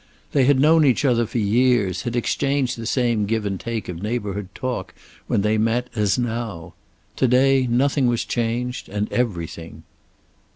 They had known each other for years, had exchanged the same give and take of neighborhood talk when they met as now. To day nothing was changed, and everything.